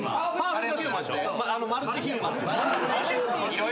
マルチヒューマン？